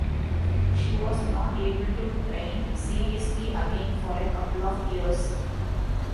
She was not able to train seriously again for a couple of years.